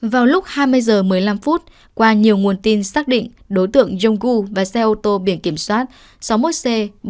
vào lúc hai mươi h một mươi năm qua nhiều nguồn tin xác định đối tượng jonggu và xe ô tô biển kiểm soát sáu mươi một c bốn mươi năm nghìn